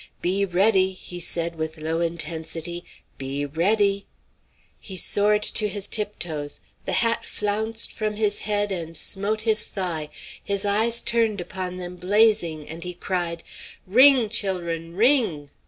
"Be ready!" he said, with low intensity: "Be ready!" He soared to his tiptoes, the hat flounced from his head and smote his thigh, his eyes turned upon them blazing, and he cried, "Ring, chil'run, ring!"